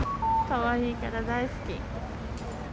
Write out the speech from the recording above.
かわいいから大好き。